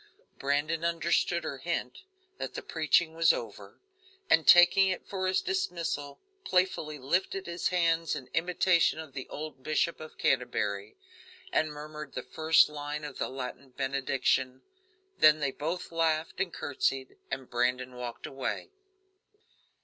Brandon understood her hint that the preaching was over, and taking it for his dismissal, playfully lifted his hands in imitation of the old Bishop of Canterbury, and murmured the first line of the Latin benediction. Then they both laughed and courtesied, and Brandon walked away.